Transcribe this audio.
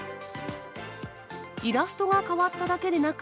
イラストが変わっただけでなく、